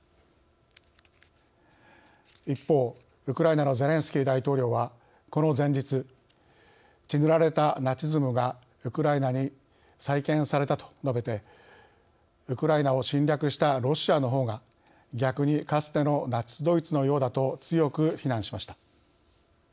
一方ウクライナのゼレンスキー大統領はこの前日「血塗られたナチズムがウクライナに再建された」と述べてウクライナを侵略したロシアの方が逆にかつてのナチスドイツのようだと強く非難しました。